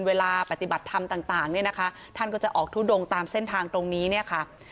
ปฏิบัติธรรมต่างเนี่ยนะคะท่านก็จะออกทุดงตามเส้นทางตรงนี้เนี่ยค่ะ